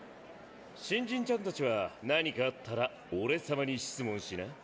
新人ちゃんたちは何かあったら俺様に質問しな。